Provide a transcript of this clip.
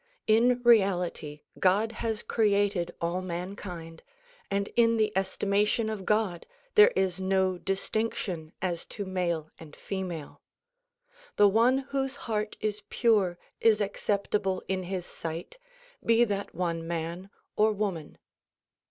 In reality God has created all mankind and in the estimation of God there is no distinction as to male and female. The one whose heart is pure is acceptable in his sight, be that one man or woman.